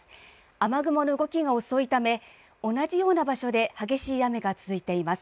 雨雲の動きが遅いため同じような場所で激しい雨が続いています。